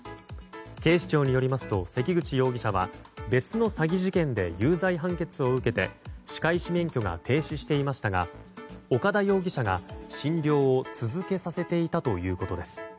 警視庁によりますと関口容疑者は別の詐欺事件で有罪判決を受けて歯科医師免許が停止していましたが岡田容疑者が診療を続けさせていたということです。